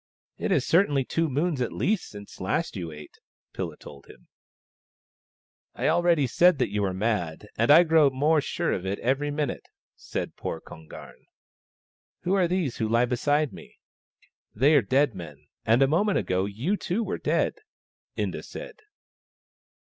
"It is certainly two moons at least since last you ate," Pilla told him. " I said already that you were mad, and I grow more sure of it every minute," said poor Kon garn. " Who are these who lie beside me ?"" They are dead men ; and a moment ago you too were dead," Inda said.